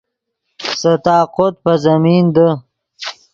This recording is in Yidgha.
سے طاقوت پے زمین دے